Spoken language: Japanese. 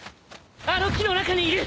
あの木の中にいる！